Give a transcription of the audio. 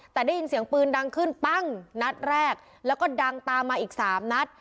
แต่ได้ยินเสียงปืนดังขึ้นปั้งนัดแรกแล้วก็ดังตามมาอีกสามนัด